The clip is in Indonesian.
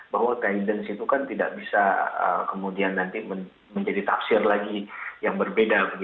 bahwa guidance itu kan tidak bisa kemudian nanti menjadi tafsir lagi yang berbeda